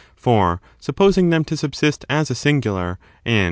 For, supposing them to subsist as a singular, and 2.